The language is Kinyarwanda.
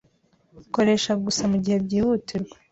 Koresha gusa mugihe byihutirwa